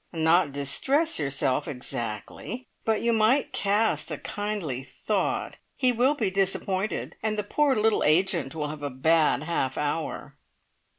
"Not distress yourself exactly, but you might cast a kindly thought. He will be disappointed, and the poor little agent will have a bad half hour."